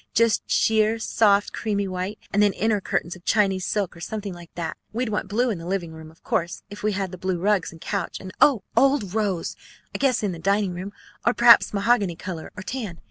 Just sheer, soft, creamy white. And then inner curtains of Chinese silk or something like that. We'd want blue in the living room, of course, if we had the blue rugs and couch, and oh! old rose, I guess, in the dining room, or perhaps mahogany color or tan.